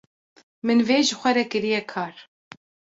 min vê ji xwe re kirîye kar.